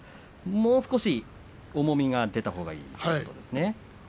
もう少し重みが出たほうがいいということですね。